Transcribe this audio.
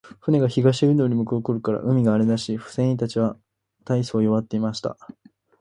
船が東インドに向う頃から、海が荒れだし、船員たちは大そう弱っていました。